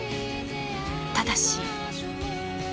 ただし。